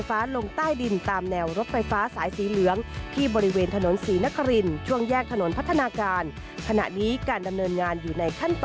ไปติดตามเรื่องนี้จากรายงานชิ้นนี้ค่ะ